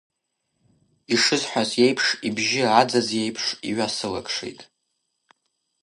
Ишысҳәаз еиԥш, ибжьы аӡаӡ еиԥш иҩасылакшеит.